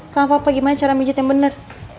sama papa gimana cara mijitnya bener